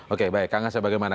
oke baik kang asep bagaimana